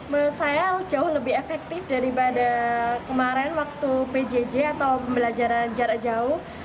menurut saya jauh lebih efektif daripada kemarin waktu pjj atau pembelajaran jarak jauh